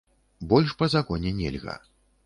Больш па законе нельга.